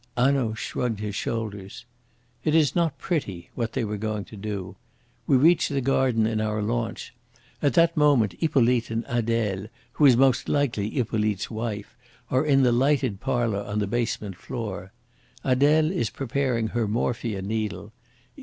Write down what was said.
Hanaud shrugged his shoulders. "It is not pretty what they were going to do. We reach the garden in our launch. At that moment Hippolyte and Adele, who is most likely Hippolyte's wife, are in the lighted parlour on the basement floor. Adele is preparing her morphia needle.